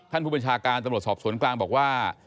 ผู้บัญชาการตำรวจสอบสวนกลางบอกว่า